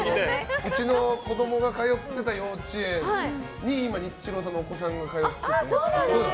うちの子供が通ってた幼稚園に今、ニッチローさんのお子さんが通ってるんです。